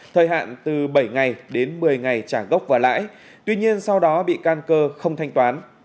thời hạn từ bảy ngày đến một mươi ngày trả gốc và lãi tuy nhiên sau đó bị can cơ không thanh toán